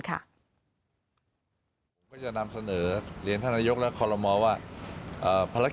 นอกจากนี้มีข้อมูลเพิ่มเติมนะคะจากรัฐมนตรีเกี่ยวกับเมื่อกลุ่มภายในประเทศอเมริกา